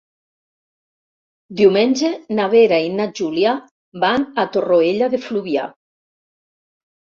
Diumenge na Vera i na Júlia van a Torroella de Fluvià.